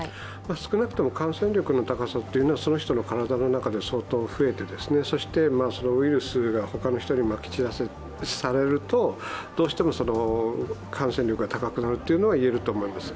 少なくとも感染力の高さっていうのはその人の体の中で相当増えて、そのウイルスが他の人にまき散らされるとどうしても感染力が高くなるというのはいえると思います。